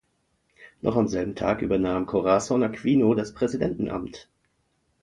Noch am selben Tag übernahm Corazon Aquino das Präsidentenamt.